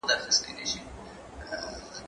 هغه څوک چي کتابونه ليکي پوهه زياتوي؟